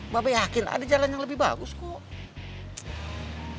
bapak yakin ada jalan yang lebih bagus kok